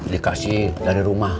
dikasih dari rumah